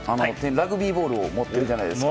ラグビーボールを持っているじゃないですか。